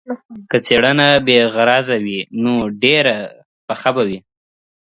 که څېړنه بې غرضه وي نو ډېره پخه به وي.